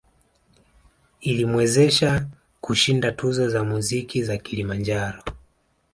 Ilimwezesha kushinda tuzo za muziki za Kilimanjaro